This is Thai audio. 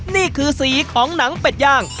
นี่คือสีของหนังเป็ดย่าง